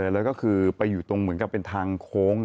แล้วก็คือไปอยู่ตรงเหมือนกับเป็นทางโค้ง